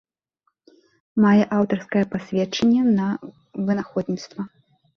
Мае аўтарскае пасведчанне на вынаходніцтва.